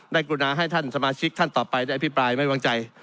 กรุณาให้ท่านสมาชิกท่านต่อไปได้อภิปรายไม่วางใจ